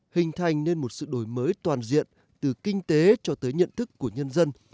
hình thành nên một sự đổi mới toàn diện từ kinh tế cho tới nhận thức của nhân dân